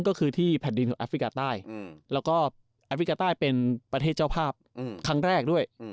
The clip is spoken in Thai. ก็คือที่แผ่นดินของแอฟริกาใต้แล้วก็แอฟริกาใต้เป็นประเทศเจ้าภาพครั้งแรกด้วย